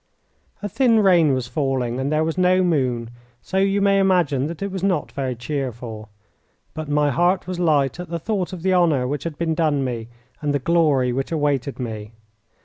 A thin rain was falling and there was no moon, so you may imagine that it was not very cheerful. But my heart was light at the thought of the honour which had been done me and the glory which awaited me.